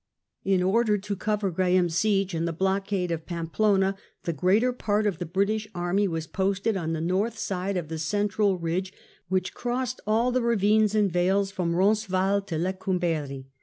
In order to cover Graham's siege and the blockade of Pampeluna^ the greater part of the British army was posted on the north side of the central ridge which crossed all the ravines and vales from Boncesvalles to Lecumberri.